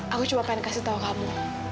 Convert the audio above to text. aku cuma pengen kasih tahu kamu